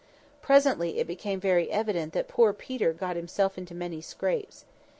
Presently it became very evident that "poor Peter" got himself into many scrapes.